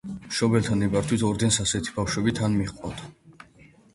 მშობელთა ნებართვით ორდენს ასეთი ბავშვები თან მიჰყავდა.